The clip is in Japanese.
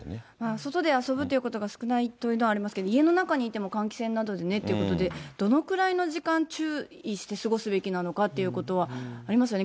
外で遊ぶということが少ないということはありますけど、家の中にいても換気扇なんかでねっていうことで、どのくらいの時間、注意して過ごすべきなのかということはありますよね。